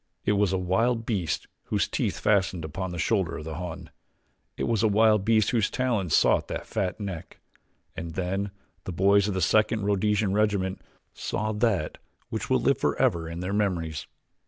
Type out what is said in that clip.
It was a wild beast whose teeth fastened upon the shoulder of the Hun it was a wild beast whose talons sought that fat neck. And then the boys of the Second Rhodesian Regiment saw that which will live forever in their memories.